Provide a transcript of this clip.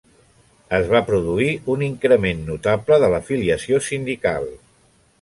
Es va produir un increment notable de l'afiliació sindical.